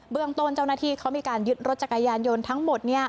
เรื่องต้นเจ้าหน้าที่เขามีการยึดรถจักรยานยนต์ทั้งหมด